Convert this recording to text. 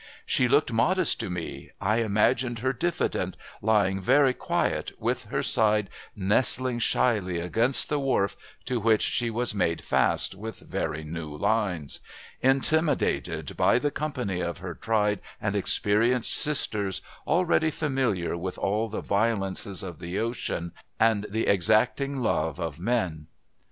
"She looked modest to me. I imagined her diffident, lying very quiet, with her side nestling shyly against the wharf to which she was made fast with very new lines, intimidated by the company of her tried and experienced sisters already familiar with all the violences of the ocean and the exacting love of men."